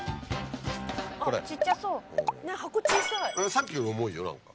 さっきより重いよ何か。